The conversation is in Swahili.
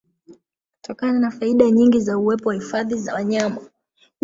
Kutokana na faida nyingi za uwepo wa Hifadhi za wanyama